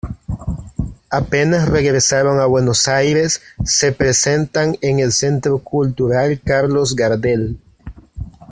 Apenas regresaron a Buenos Aires se presentan en el Centro Cultural Carlos Gardel.